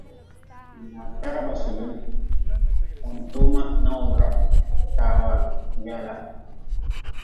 Taraba sulin, wuntoma nawdra, tawa gwala.